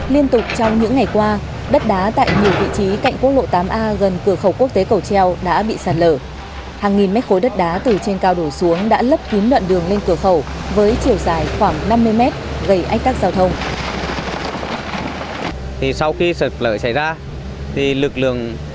liên tục trong những ngày qua đất đá tại nhiều vị trí cạnh quốc lộ tám a gần cửa khẩu quốc tế cầu treo đã bị sạt lở hàng nghìn mét khối đất đá từ trên cao đổ xuống đã lấp kín đoạn đường lên cửa khẩu với chiều dài khoảng năm mươi mét gây ách tắc giao thông